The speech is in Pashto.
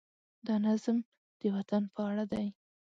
دا نظم د وطن په اړه دی.